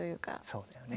そうだよね。